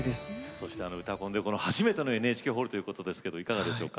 そして「うたコン」で初めてのＮＨＫホールということですけどいかがでしょうか？